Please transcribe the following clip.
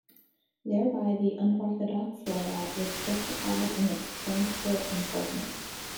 Thereby the unorthodox layout was justified in its transport importance.